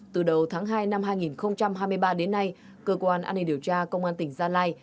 từ đầu tháng hai năm hai nghìn hai mươi ba đến nay cơ quan an ninh điều tra công an tỉnh gia lai